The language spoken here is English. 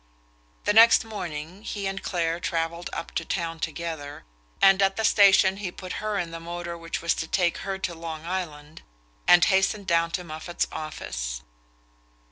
The next morning, he and Clare travelled up to town together, and at the station he put her in the motor which was to take her to Long Island, and hastened down to Moffatt's office.